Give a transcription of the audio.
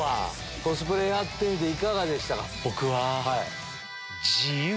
コスプレやってみていかがでしたか？